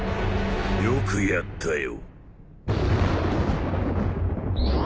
よくやったよ。